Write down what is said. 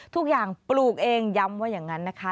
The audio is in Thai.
ทุกอย่างปลูกเองย้ำว่าอย่างนั้นนะคะ